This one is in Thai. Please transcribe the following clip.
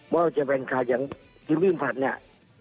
ว่าจะแบรนด์คลาร์ดอย่างกิ้มพิ้งผัทนี่